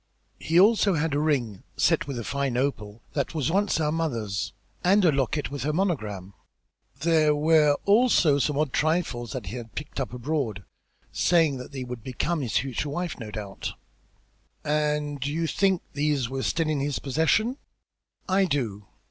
"He also had a ring set with a fine opal, that was once our mother's, and a locket with her monogram. There were also some odd trifles that he had picked up abroad, saying that they would become his future wife, no doubt." "And you think these were still in his possession?" "I do.